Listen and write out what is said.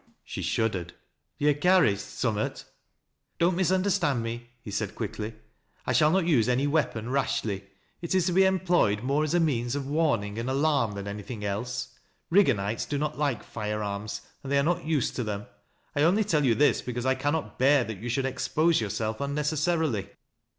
She shuddered. " Yo' carry — summat ?"" Don't misunderstand me," he said quickly. " I shaU not use any weapon rashly. It is to be employed more as a means of warning and alarm than anything else. Rigganites do not like fire arms, and they are not used to them. I only tell you this, because I cannot bear that yon should expose yourself unnecessarily."